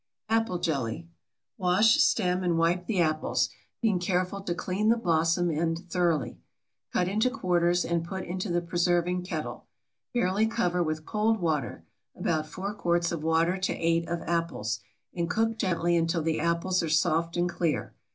APPLE JELLY. Wash, stem, and wipe the apples, being careful to clean the blossom end thoroughly. Cut into quarters and put into the preserving kettle. Barely cover with cold water (about 4 quarts of water to 8 of apples) and cook gently until the apples are soft and clear.